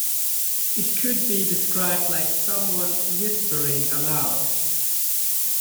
It could be described like someone whispering aloud.